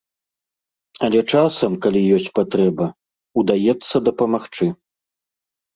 Але часам, калі ёсць патрэба, удаецца дапамагчы.